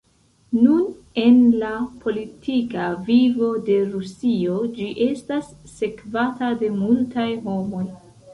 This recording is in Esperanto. Nun en la politika vivo de Rusio ĝi estas sekvata de multaj homoj.